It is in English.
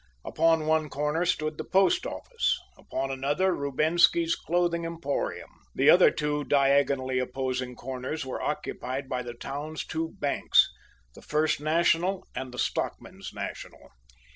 Upon one corner stood the post office. Upon another Rubensky's Clothing Emporium. The other two diagonally opposing corners were occupied by the town's two banks, the First National and the Stockmen's National.